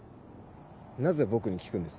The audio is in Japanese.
なぜ僕に聞くんです。